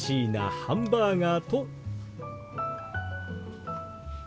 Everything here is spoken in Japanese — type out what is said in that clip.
「ハンバーガー」。